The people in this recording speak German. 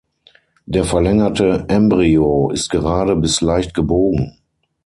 Der verlängerte Embryo ist gerade bis leicht gebogen.